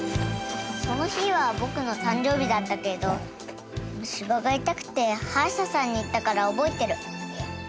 その日は僕の誕生日だったけど虫歯が痛くて歯医者さんに行ったから覚えてる。